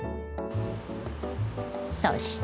そして。